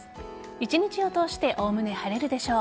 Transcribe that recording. １日を通しておおむね晴れるでしょう。